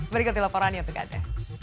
berikut di laporannya tegaknya